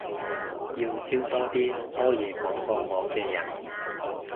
要招多啲多嘢講過我嘅人